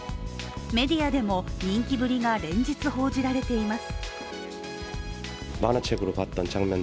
メディアでも人気ぶりが連日報じられています